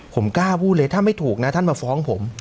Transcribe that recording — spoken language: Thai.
ผมกล้าพูดเลยถ้าไม่ถูกนะท่านมาฟ้องผม